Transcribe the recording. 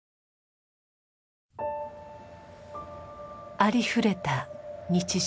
ありふれた日常。